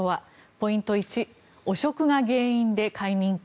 ポイント１汚職が原因で解任か。